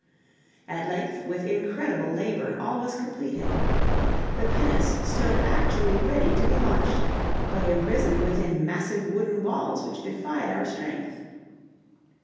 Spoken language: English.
At length, with incredible labor, all was completed. The pinnace stood actually ready to be launched, but imprisoned within massive wooden walls which defied our strength.